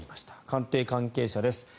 官邸関係者です。